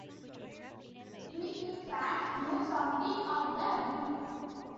We in France know something of the breed.